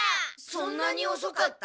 そんなにおそかった？